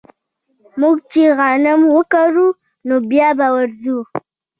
موږ چې غنم وکرو نو بيا به ورځو